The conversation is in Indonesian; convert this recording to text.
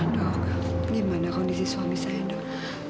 dok gimana kondisi suami saya dok